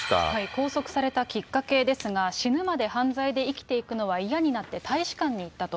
拘束されたきっかけですが、死ぬまで犯罪で生きていくのは嫌になって、大使館に行ったと。